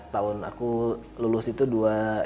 tahun saya lulus itu duas